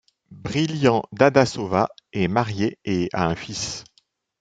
Brilliant Dadaşova est mariée et a un fils.